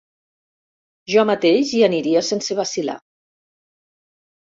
Jo mateix hi aniria sense vacil·lar.